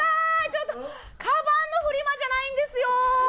ちょっとカバンのフリマじゃないんですよ